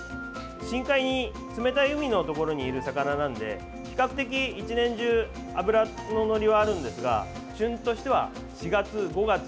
深海、冷たい海のところにいる魚なので比較的、１年中脂ののりはあるんですが旬としては４月、５月、６月。